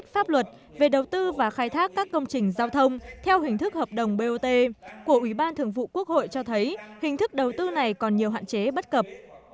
pháp luật về đầu tư và khai thác các công trình giao thông theo hình thức hợp đồng bot của ủy ban thường vụ quốc hội cho thấy hình thức đầu tư này còn nhiều hạn chế bất cập